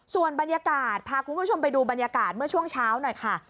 ส่วนบรรยากาศพาคุณผู้ชมไปดูบรรยากาศเมื่อช่วงเช้าหน่อยค่ะ